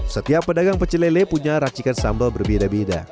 setiap pedagang pecelele punya racikan sambal berbeda beda